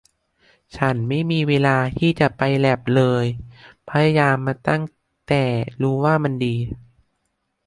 ฉันไม่มีเวลาที่จะไปแลปเลยแต่พยายามตั้งแต่รู้ว่ามันดี